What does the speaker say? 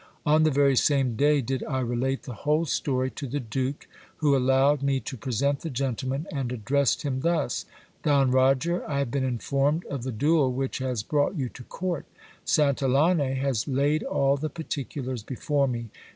On the very same day did I relate the whole story to the duke, who allowed me to present the gentleman, and addressed him thus : Don Roger, I have been informed of the duel which has brought you to court ; Santillane has laid all the particulars before me.